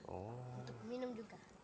untuk minum juga